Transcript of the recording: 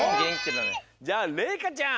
じゃあれいかちゃん。